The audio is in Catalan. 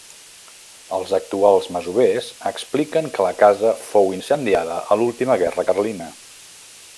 Els actuals masovers expliquen que la casa fou incendiada a l'última guerra carlina.